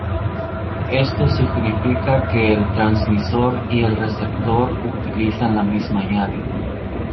Esto significa que el transmisor y el receptor utilizan la misma llave.